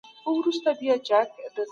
کتابونه د عقل او شعور دروازې پرانیزي.